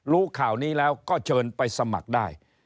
รู้ข่าวนี้แล้วก็เชิญไปสมัครได้